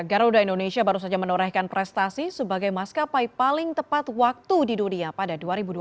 garuda indonesia baru saja menorehkan prestasi sebagai maskapai paling tepat waktu di dunia pada dua ribu dua puluh